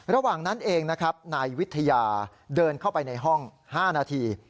ระหว่างนั้นเองนะครับนายวิทยาเดินเข้าไปในห้อง๕นาที